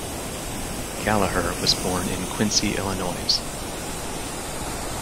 Gallaher was born in Quincy, Illinois.